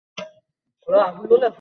তবে কিছু ত্যাগস্বীকার করা লাগবে।